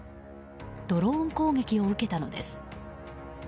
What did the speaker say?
ドローン攻撃を受けたのです。